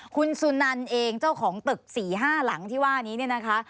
คุณสุนันเองเจ้าของตึก๔๕หลังที่ว่านี้เนี่ยนะคะ